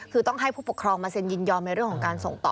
คือต้องให้ผู้ปกครองมาเซ็นยินยอมในเรื่องของการส่งต่อ